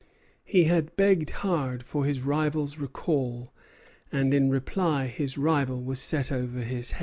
He had begged hard for his rival's recall, and in reply his rival was set over his head.